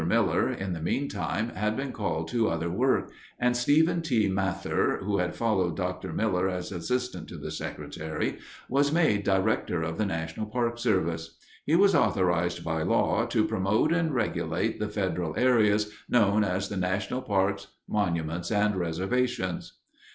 Miller, in the meantime, had been called to other work, and Stephen T. Mather, who had followed Dr. Miller as assistant to the secretary, was made Director of the National Park Service. He was authorized by law to "promote and regulate the federal areas known as the national parks, monuments, and reservations."